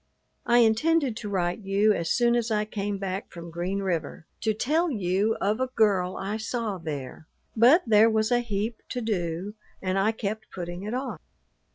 I intended to write you as soon as I came back from Green River, to tell you of a girl I saw there; but there was a heap to do and I kept putting it off.